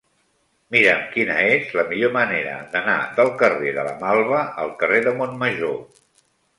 Mira'm quina és la millor manera d'anar del carrer de la Malva al carrer de Montmajor.